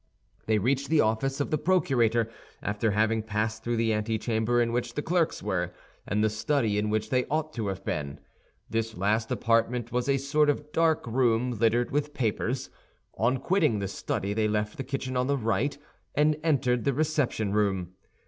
They reached the office of the procurator after having passed through the antechamber in which the clerks were, and the study in which they ought to have been. This last apartment was a sort of dark room, littered with papers. On quitting the study they left the kitchen on the right, and entered the reception room.